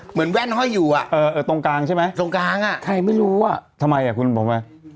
แว่นห้อยอยู่อ่ะเออตรงกลางใช่ไหมตรงกลางอ่ะใครไม่รู้อ่ะทำไมอ่ะคุณผมอ่ะ